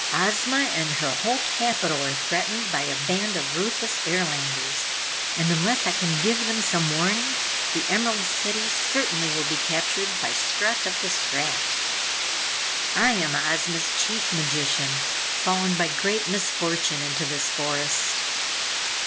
Ozma and her whole capitol are threatened by a band of ruthless Airlanders, and unless I can give them some warning, the Emerald City certainly will be captured by Strut of the Strat. I am Ozma's Chief Magician, fallen by great misfortune into this forest."